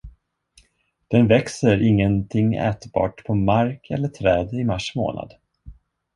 Den växer ingenting ätbart på mark eller träd i mars månad.